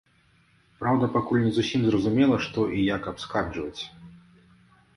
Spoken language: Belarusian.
Праўда, пакуль не зусім зразумела, што і як абскарджваць.